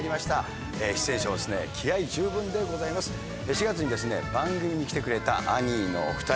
４月に番組に来てくれたアニーのお２人。